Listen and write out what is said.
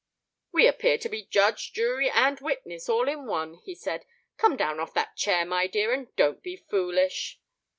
"We appear to be judge, jury, and witness all in one," he said. "Come down off that chair, my dear, and don't be foolish."